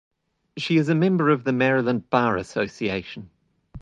She is a member of the Maryland Bar Association.